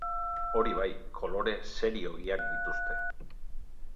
Hori bai, kolore serioegiak dituzte.